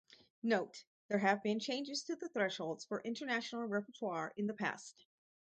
Note: There have been changes to the thresholds for international repertoire in the past.